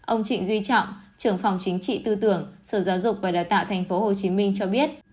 ông trịnh duy trọng trưởng phòng chính trị tư tưởng sở giáo dục và đào tạo tp hcm cho biết